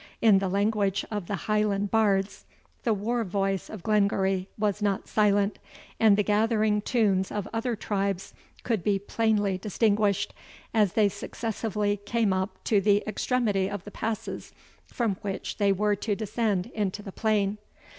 In the language of the Highland bards, the war voice of Glengarry was not silent; and the gathering tunes of other tribes could be plainly distinguished, as they successively came up to the extremity of the passes from which they were to descend into the plain.